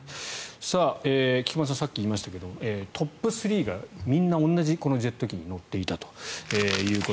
菊間さん、さっき言いましたがトップスリーがみんな同じジェット機に乗っていたと。